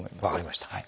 分かりました。